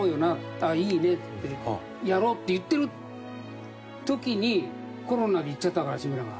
「あっいいね」ってやろうって言ってる時にコロナで逝っちゃったから志村が。